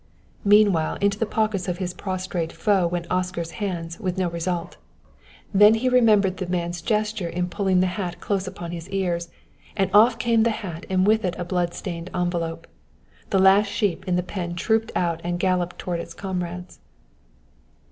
Meanwhile into the pockets of his prostrate foe went Oscar's hands with no result. Then he remembered the man's gesture in pulling the hat close upon his ears, and off came the hat and with it a blood stained envelope. The last sheep in the pen trooped out and galloped toward its comrades.